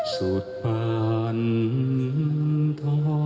สุดปันต่อ